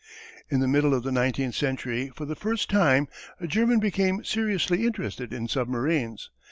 In the middle of the nineteenth century for the first time a German became seriously interested in submarines.